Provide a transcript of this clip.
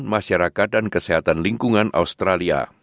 masyarakat dan kesehatan lingkungan australia